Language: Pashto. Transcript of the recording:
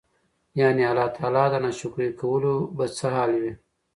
يعني الله تعالی د ناشکري کولو به څه حال وي؟!!.